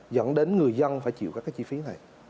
dẫn đến người dân phải chịu các cái chi phí này